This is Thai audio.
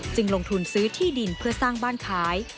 ลงทุนซื้อที่ดินเพื่อสร้างบ้านขาย